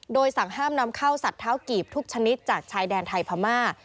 โดยสั่งห้ามนำเข้าสัตว์เท้ากีบทุกชนิดจากชายแดนไทยพม่า